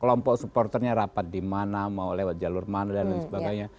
kelompok supporternya rapat di mana mau lewat jalur mana dan lain sebagainya